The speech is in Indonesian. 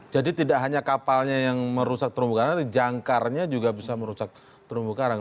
jadi tidak hanya kapalnya yang merusak terumbu karang tapi janggarnya juga bisa merusak terumbu karang